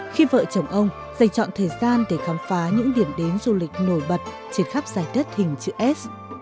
khi vợ chồng ông dành chọn thời gian để khám phá những điểm đến du lịch nổi bật trên khắp dài đất hình chữ s